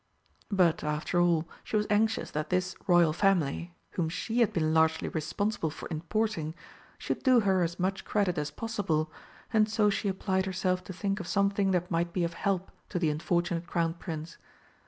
But, after all, she was anxious that this Royal family, whom she had been largely responsible for importing, should do her as much credit as possible, and so she applied herself to think of something that might be of help to the unfortunate Crown Prince.